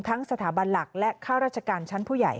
สถาบันหลักและข้าราชการชั้นผู้ใหญ่